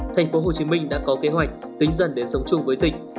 thành phố hồ chí minh đã có kế hoạch tính dân đến sống chung với dịch